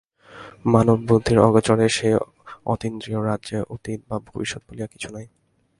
মানব-বুদ্ধির অগোচর সেই অতীন্দ্রিয় রাজ্যে অতীত বা ভবিষ্যৎ বলিয়া কিছু নাই।